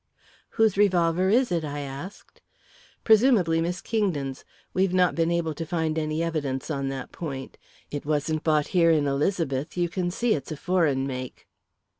"Whose revolver is it?" I asked. "Presumably Miss Kingdon's. We've not been able to find any evidence on that point. It wasn't bought here in Elizabeth. You see it's a foreign make."